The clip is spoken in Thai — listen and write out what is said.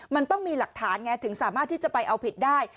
มันต้องมีหลักฐานไงถึงสามารถที่จะไปเอาผิดได้